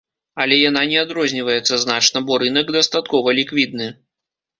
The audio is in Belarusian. Але яна не адрозніваецца значна, бо рынак дастаткова ліквідны.